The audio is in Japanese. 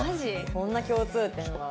こんな共通点が。